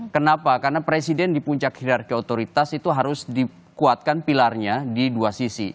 kenapa karena presiden di puncak hidarki otoritas itu harus dikuatkan pilarnya di dua sisi